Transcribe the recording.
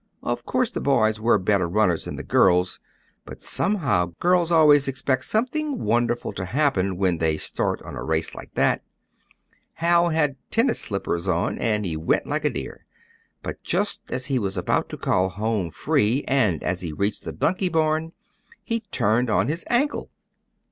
Of course, the boys were better runners than the girls, but somehow, girls always expect something wonderful to happen, when they start on a race like that. Hal had tennis slippers on, and he went like a deer. But just as he was about to call "home free" and as he reached the donkey barn, he turned on his ankle.